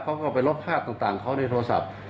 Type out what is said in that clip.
เขาก็ไปลบภาพต่างเขาในโทรศัพท์